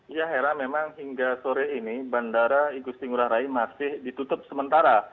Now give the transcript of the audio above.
ya hera memang hingga sore ini bandara igusti ngurah rai masih ditutup sementara